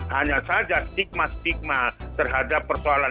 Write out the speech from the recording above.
hanya saja stigma stigma terhadap persoalan